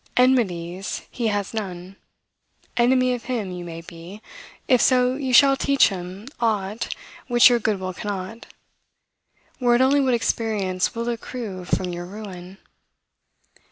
Enmities he has none. Enemy of him you may be, if so you shall teach him aught which your good will cannot, were it only what experience will accrue from your ruin.